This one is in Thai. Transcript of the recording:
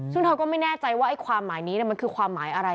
ซึ่งเธอก็ไม่แน่ใจว่าความหมายนี้มันคือความหมายอะไร